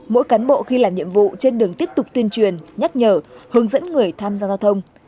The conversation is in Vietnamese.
mỗi cán bộ khi làm nhiệm vụ trên đường tiếp tục tuyên truyền nhắc nhở hướng dẫn người tham gia giao thông